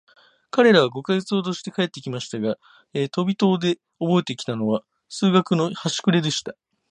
彼等は五ヵ月ほどして帰って来ましたが、飛島でおぼえて来たのは、数学のはしくれでした。